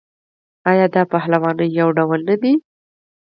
آیا دا د پهلوانۍ یو ډول نه دی؟